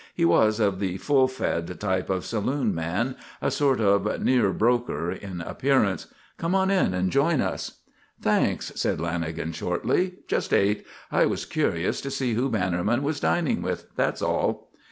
He was of the full fed type of saloon man, a sort of a near broker in appearance. "Come on in and join us." "Thanks," said Lanagan, shortly. "Just ate. I was curious to see who Bannerman was dining with. That's all."